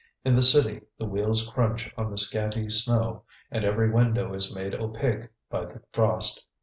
In the city the wheels crunch on the scanty snow, and every window is made opaque by the frost.